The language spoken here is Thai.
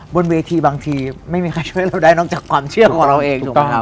บนเวทีบางทีไม่มีใครช่วยเราได้นอกจากความเชื่อของเราเองถูกไหมครับ